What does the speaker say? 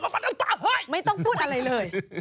ไม่ต้องพูดอะไรเลย